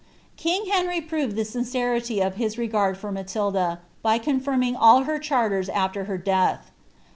King Henry proved the sincerity of his regard for Matilda, by con firming all her charters afler her death.